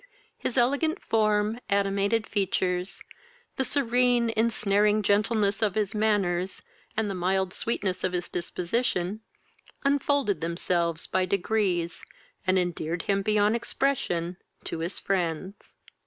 His elegant form, animated features, the serene, ensnaring gentleness of his manners, and the mild sweetness of his disposition, unfolded themselves by degrees, and endeared him beyond expression to his friends.